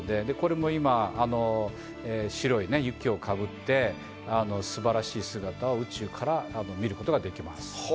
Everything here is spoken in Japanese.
白い雪をかぶって素晴らしい姿を宇宙から見ることができます。